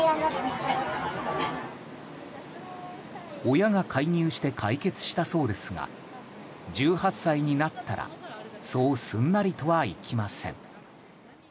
親が介入して解決したそうですが１８歳になったらそうすんなりとはいきません。